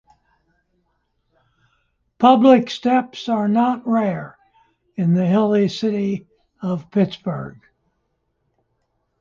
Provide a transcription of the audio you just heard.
Public steps are not rare in the hilly city of Pittsburgh.